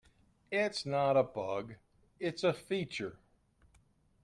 It's not a bug, it's a feature!